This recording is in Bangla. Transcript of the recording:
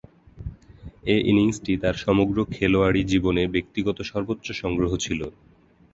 এ ইনিংসটি তার সমগ্র খেলোয়াড়ী জীবনে ব্যক্তিগত সর্বোচ্চ সংগ্রহ ছিল।